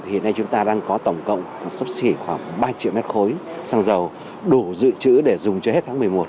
hiện nay chúng ta đang có tổng cộng sấp xỉ khoảng ba triệu mét khối xăng dầu đủ dự trữ để dùng cho hết tháng một mươi một